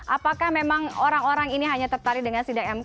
apakah memang orang orang ini hanya tertarik dengan sidang mk